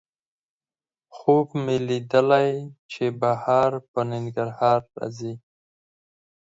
خوب مې لیدلی چې بهار په ننګرهار راځي